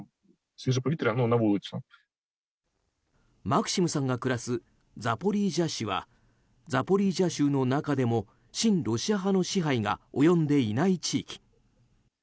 マクシムさんが暮らすザポリージャ市はザポリージャ州の中でも親ロシア派の支配が及んでいない地域。